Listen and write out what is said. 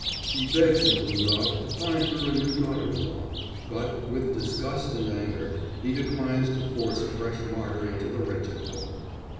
She begs Nekhlúdof to find her a new daughter in law, but, with disgust and anger, he declines to force a fresh martyr into the wretched hovel.